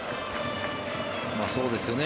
そうですよね。